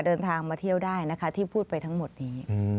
เดินทางมาเที่ยวได้นะคะที่พูดไปทั้งหมดนี้